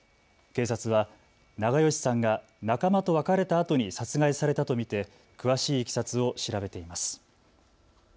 警察は長葭さんが仲間と別れたあとに殺害されたと見て詳しいいきさつを調べています。